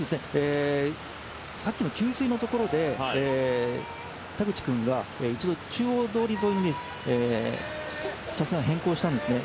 さっきの給水のところで田口君が中央通り沿いに車線を変更したんですね。